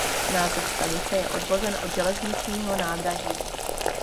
Název stanice je odvozen od železničního nádraží.